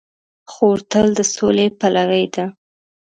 خور تل د سولې پلوي ده.